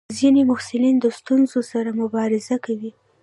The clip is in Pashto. ځینې محصلین د ستونزو سره مبارزه کوي.